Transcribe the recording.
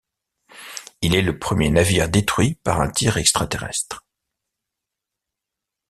Il est le premier navire détruit par un tir extraterrestre.